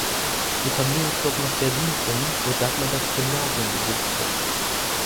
Die Familie zog nach Berlin um, wo Dagmar das Gymnasium besuchte.